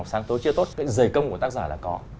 sáng tối chưa tốt cái giày công của tác giả là có